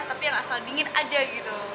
tapi yang asal dingin aja gitu